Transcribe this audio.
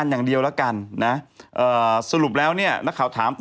นักข่าวไปถาม